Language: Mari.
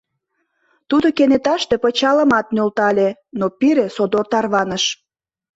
Тудо кенеташте пычалымат нӧлтале, но пире содор тарваныш.